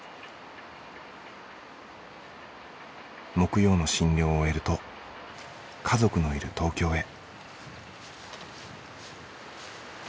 木曜の診療を終えると家族のいる東京へ。